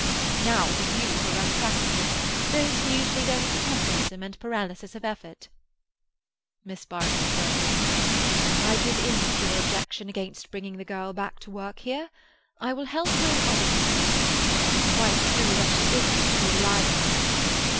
"Now it is you who are unpractical. Those views lead only to pessimism and paralysis of effort." Miss Barfoot rose. "I give in to your objection against bringing the girl back to work here. I will help her in other ways. It's quite true that she isn't to be relied upon."